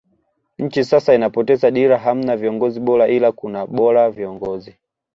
Nchi sasa inapoteza dira hamna viongozi bora ila kuna bora viongozi